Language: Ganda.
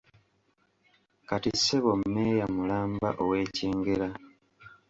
Kati ssebo mmeeya mulamba ow’e Kyengera.